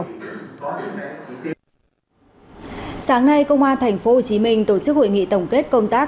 sáng nay công an tp hcm tổ chức hội nghị tổng kết công tác